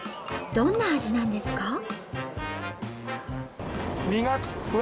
どんな味なんですか？